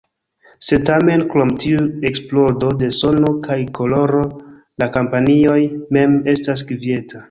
Sed tamen krom tiu eksplodo de sono kaj koloro, la kampanjoj mem estas kvieta.